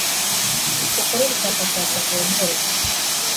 ukore ubushakashatsi uvumbure.